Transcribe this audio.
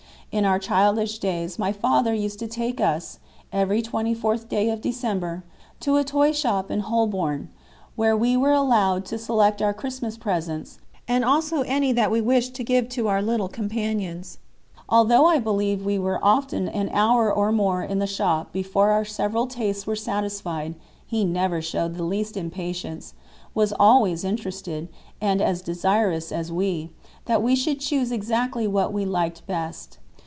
In our childish days my father used to take us, every twenty fourth day of December, to a toy shop in Holborn, where we were allowed to select our Christmas presents, and also any that we wished to give to our little companions. Although I believe we were often an hour or more in the shop before our several tastes were satisfied, he never showed the least impatience, was always interested, and as desirous as we, that we should choose exactly what we liked best.